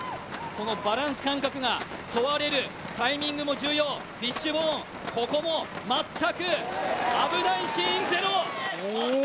バランス感覚が問われるタイミングも重要、フィッシュボーン、ここも全く危ないシーンゼロ。